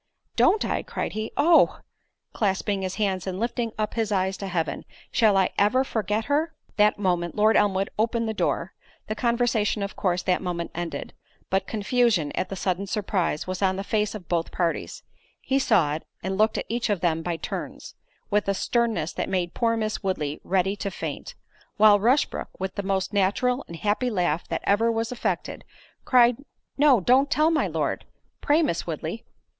"Don't I," cried he, "Oh!" (clasping his hands and lifting up his eyes to heaven) "shall I ever forget her?" That moment Lord Elmwood opened the door; the conversation of course that moment ended; but confusion, at the sudden surprise, was on the face of both parties—he saw it, and looked at each of them by turns, with a sternness that made poor Miss Woodley ready to faint; while Rushbrook, with the most natural and happy laugh that ever was affected, cried, "No, don't tell my Lord, pray Miss Woodley."